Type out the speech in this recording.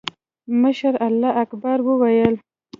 مشر الله اکبر وويل.